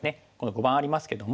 碁盤ありますけども。